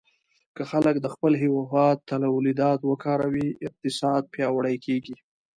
که خلک د خپل هېواد تولیدات وکاروي، اقتصاد پیاوړی کېږي.